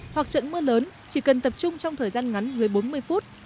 hoặc trận mưa lớn chỉ cần tập trung trong thời gian ngắn dưới bốn mươi phút